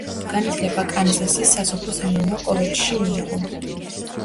განათლება კანზასის სასოფლო-სამეურნეო კოლეჯში მიიღო.